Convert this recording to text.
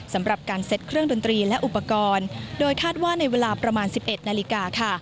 สำหรับการเซ็ตเครื่องดนตรีและอุปกรณ์โดยคาดว่าในเวลาประมาณ๑๑นาฬิกาค่ะ